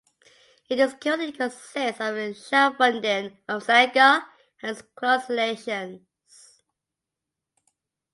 It is currently consists of Sharafuddin of Selangor and his close relations.